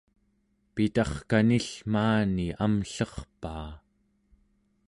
pitarkani-ll’ maani amllerpaa!